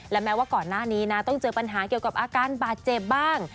และแม้ว่าก่อนหน้านี้นะต้องเจอปัญหาเกี่ยวกับอาการบาดเจ็บบ้าง